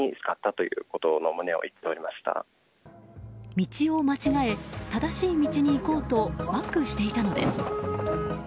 道を間違え正しい道に行こうとバックしていたのです。